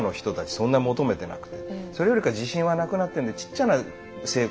そんなに求めてなくてそれよりか自信はなくなってるんでちっちゃな成功をコツコツしてく。